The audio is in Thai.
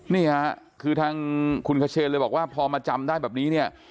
นี่ค่ะคือทางคุณขเชนเลยบอกว่าพอมาจำได้แบบนี้เนี่ย